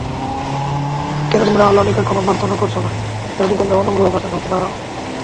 কেন তোমরা আল্লাহর নিকট ক্ষমা প্রার্থনা করছ না, যাতে তোমরা অনুগ্রহভাজন হতে পার?